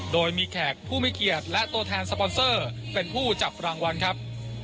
โดยมีแขกผู้มีเกียรติและตัวแทนสปอนเซอร์เป็นผู้จับรางวัลครับ